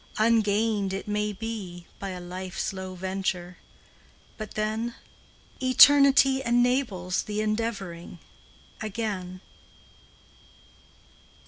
Ungained, it may be, by a life's low venture, But then, Eternity enables the endeavoring Again.